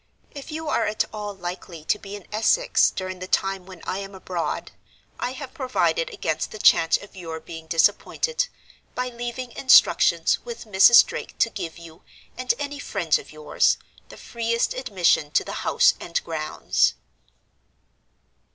If you are at all likely to be in Essex during the time when I am abroad, I have provided against the chance of your being disappointed, by leaving instructions with Mrs. Drake to give you, and any friends of yours, the freest admission to the house and grounds."